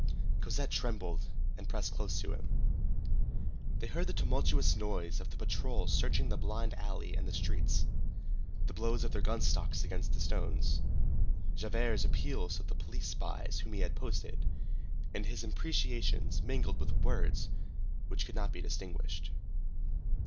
Cosette trembled and pressed close to him. They heard the tumultuous noise of the patrol searching the blind alley and the streets; the blows of their gun stocks against the stones; Javert's appeals to the police spies whom he had posted, and his imprecations mingled with words which could not be distinguished.